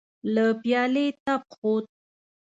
له پيالې تپ خوت.